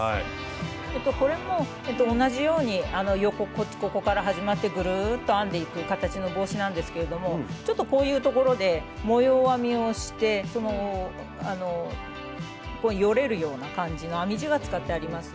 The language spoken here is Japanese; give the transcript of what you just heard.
これも同じように横ここから始まってぐるっと編んでいく形の帽子なんですけれどもちょっとこういうところで模様編みをしてよれるような感じの編み地が使ってあります。